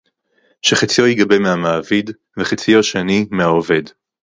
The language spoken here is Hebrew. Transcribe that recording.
שחציו ייגבה מהמעביד וחציו השני מהעובד